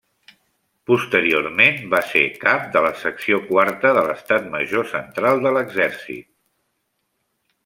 Posteriorment va ser cap de la Secció Quarta de l'Estat Major Central de l'Exèrcit.